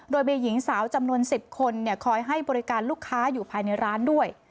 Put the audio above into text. โดยมีหญิงสาวจำนวน๑๐คนคอยให้บริการลูกค้าอยู่ภายในร้านด้วย